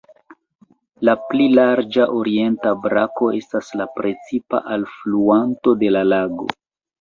La pli larĝa orienta brako estas la precipa alfluanto de la lago.